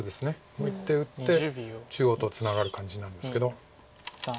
もう１手打って中央とツナがる感じなんですけど。